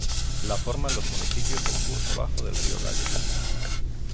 La forman los municipios del curso bajo del Río Gállego.